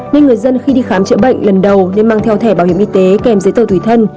nên người dân khi đi khám chữa bệnh lần đầu nên mang theo thẻ bảo hiểm y tế kèm giấy tờ tùy thân